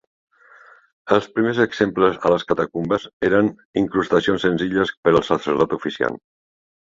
Els primers exemples a les catacumbes eren incrustacions senzilles per al sacerdot oficiant.